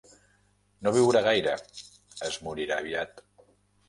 No viurà gaire: es morirà aviat.